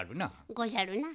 ごじゃるな。